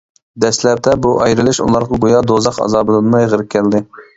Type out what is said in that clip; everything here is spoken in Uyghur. دەسلەپتە بۇ ئايرىلىش ئۇلارغا گويا دوزاخ ئازابىدىنمۇ ئېغىر كەلدى.